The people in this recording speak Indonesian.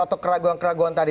atau keraguan keraguan tadi